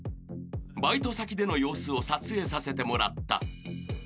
［バイト先での様子を撮影させてもらった］